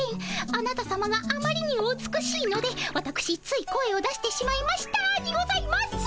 あなたさまがあまりにお美しいのでわたくしつい声を出してしまいましたにございます。